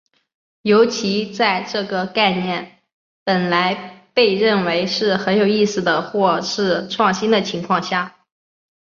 尤其在这个概念本来被认为是很有意思的或是创新的情况下。